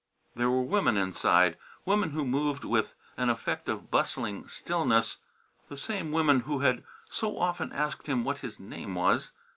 There were women inside, women who moved with an effect of bustling stillness, the same women who had so often asked him what his name was.